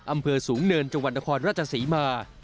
อำเภอสูงเนินจังหวัดนครราชศรีมา